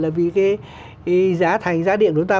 thì cái giá thành giá điện của chúng ta